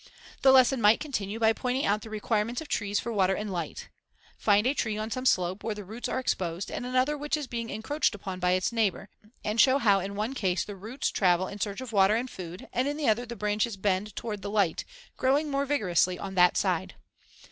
The lesson might continue by pointing out the requirements of trees for water and light. Find a tree on some slope where the roots are exposed and another which is being encroached upon by its neighbor, and show how in one case the roots travel in search of water and food and in the other the branches bend toward the light, growing more vigorously on that side.